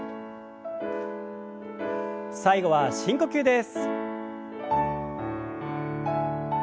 最後は深呼吸です。